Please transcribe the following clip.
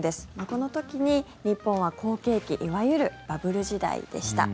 この時に日本は好景気いわゆるバブル時代でした。